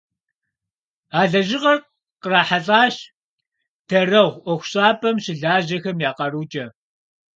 А лэжьыгъэр кърахьэлӀащ «Дарэгъу» ӀуэхущӀапӀэм щылажьэхэм я къарукӀэ.